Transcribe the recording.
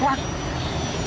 habis mobil cepat berbuang